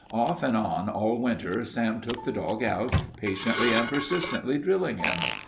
Off and on all winter Sam took the dog out, patiently and persistently drilling him.